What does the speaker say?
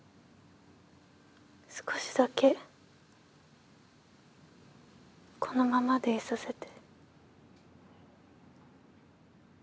少しだけこのままでいさせて。